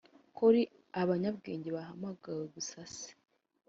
ko ari abanyabwenge bahamagawe gusase.